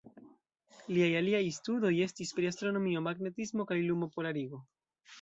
Liaj aliaj studoj estis pri astronomio, magnetismo kaj lumo-polarigo.